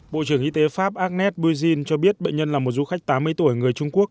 bộ trưởng y tế pháp agnet buizin cho biết bệnh nhân là một du khách tám mươi tuổi người trung quốc